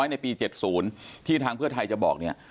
ในปี๗๐ที่ทางเพื่อไทยจะบอกเนี่ย